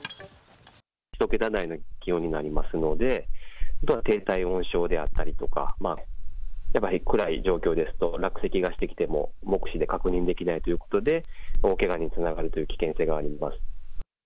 １桁台の気温になりますので、低体温症であったりとか、やっぱり暗い状況ですと、落石がしてきても、目視で確認できないということで、大けがにつながるという危険性があります。